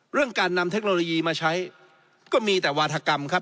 เรื่องการนำเทคโนโลยีมาใช้ก็มีแต่วาธกรรมครับ